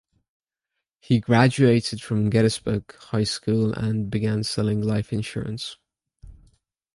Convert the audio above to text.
He graduated from Gettysburg High School and began selling life insurance.